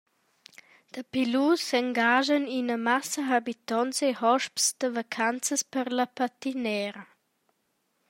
Dapi lu s’engaschan ina massa habitonts e hosps da vacanzas per la patinera.